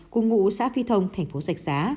cùng ngũ xã phi thông thành phố rạch giá